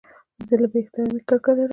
زه له بې احترامۍ کرکه لرم.